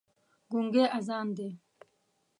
ګونګی اذان دی